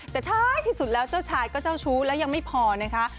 แต่ท้ายที่สุดแล้วเจ้าชายก็เจ้าชู้และยังไม่พอนะคะ